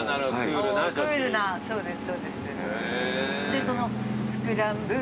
でその。